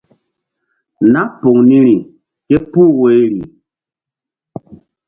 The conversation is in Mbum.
Nah poŋ niri ké puh woyri.